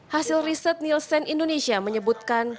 hasil riset nielsen indonesia menyebutkan